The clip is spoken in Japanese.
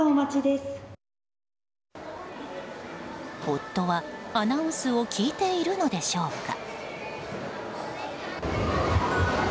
夫はアナウンスを聞いているのでしょうか。